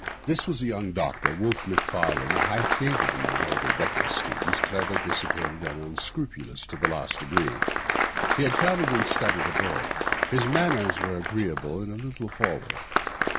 This was a young doctor, Wolfe Macfarlane, a high favourite among all the reckless students, clever, dissipated, and unscrupulous to the last degree. He had travelled and studied abroad. His manners were agreeable and a little forward.